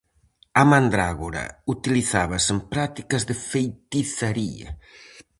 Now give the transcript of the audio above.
A mandrágora utilizábase en prácticas de feitizaría.